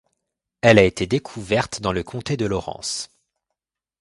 Elle a été découverte dans le comté de Lawrence.